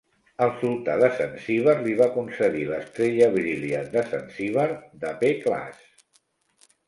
El sultà de Zanzíbar li va concedir l'Estrella Brilliant de Zanzibar, de pclasse.